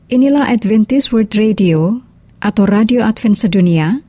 inilah adventist world radio atau radio advent sedunia